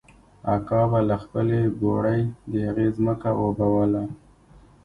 اکا به له خپلې بوړۍ د هغه ځمکه اوبوله.